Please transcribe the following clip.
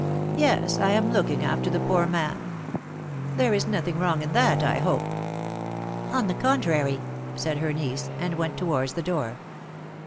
"Yes; I am looking after the poor man. There is nothing wrong in that, I hope?" "On the contrary," said her niece, and went towards the door.